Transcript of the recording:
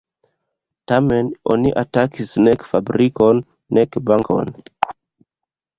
Tamen oni atakis nek fabrikon nek bankon.